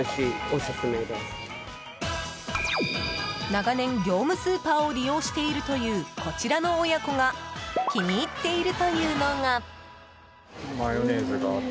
長年、業務スーパーを利用しているというこちらの親子が気に入っているというのが。